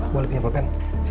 boleh punya pen